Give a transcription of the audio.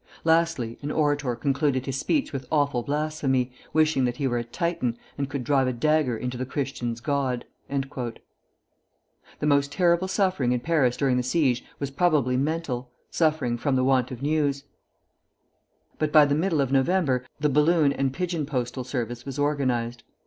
Lastly an orator concluded his speech with awful blasphemy, wishing that he were a Titan, and could drive a dagger into the Christian's God." The most terrible suffering in Paris during the siege was probably mental, suffering from the want of news; but by the middle of November the balloon and pigeon postal service was organized.